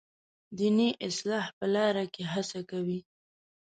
دیني اصلاح په لاره کې هڅه کوي.